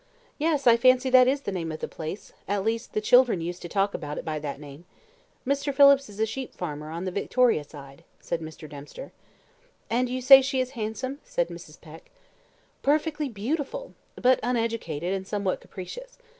"Yes, I fancy that is the name of the place; at least the children used to talk about it by that name. Mr. Phillips is a sheep farmer on the Victoria side," said Mr. Dempster. "And you say she is handsome?" said Mrs. Peck. "Perfectly beautiful! but uneducated, and somewhat capricious.